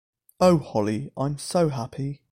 Oh, Holly, I’m so happy.